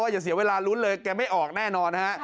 อย่าเสียเวลาลุ้นเลยแกไม่ออกแน่นอนนะฮะ